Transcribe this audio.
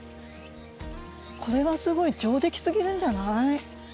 これはすごい上出来すぎるんじゃない？